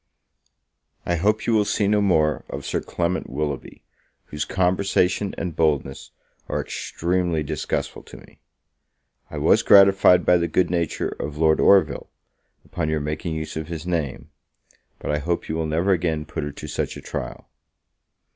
I hope you will see no more of Sir Clement Willoughby, whose conversation and boldness are extremely disgustful to me. I was gratified by the good nature of Lord Orville, upon your making use of his name; but I hope you will never again put it to such a trial.